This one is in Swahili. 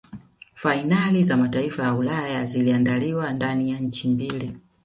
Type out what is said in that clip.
fainali za mataifa ya Ulaya ziliandaliwa ndani ya nchi mbili